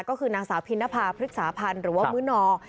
ก็คือนางสาวพินภาพฤกษาพันธ์หรือว่ามื้อนอ